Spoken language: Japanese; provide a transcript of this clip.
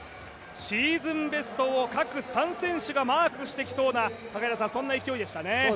シーズンベストを各３選手がマークしてきそうなそんな勢いでしたね。